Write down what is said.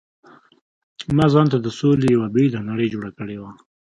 ما ځانته د سولې یو بېله نړۍ جوړه کړې وه.